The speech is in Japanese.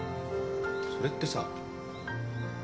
それってさ。